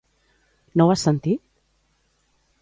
No ho has sentit?